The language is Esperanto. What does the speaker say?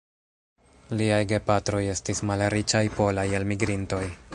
Liaj gepatroj estis malriĉaj polaj elmigrintoj.